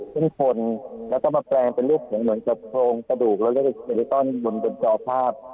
เป็นคนแล้วก็มาแปลงเป็นรูปเหมือนกับโครงประดูกเรียกว่าอินเตอร์ตอนบนบนจอภาพ